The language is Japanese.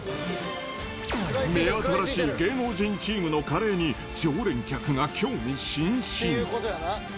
目新しい芸能人チームのカレーに、常連客が興味津々。